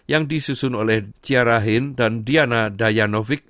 yang disusun oleh ciara hin dan diana dayanovic